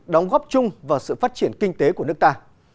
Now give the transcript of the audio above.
đóng góp chung vào sự phát triển kinh tế của nước ta